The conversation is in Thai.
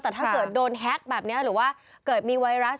แต่ถ้าเกิดโดนแฮ็กแบบนี้หรือว่าเกิดมีไวรัส